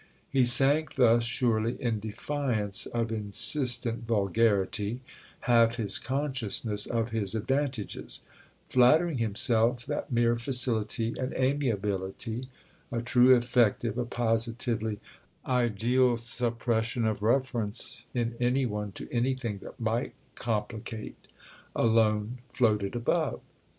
He sank thus, surely, in defiance of insistent vulgarity, half his consciousness of his advantages, flattering himself that mere facility and amiability, a true effective, a positively ideal suppression of reference in any one to anything that might complicate, alone floated above.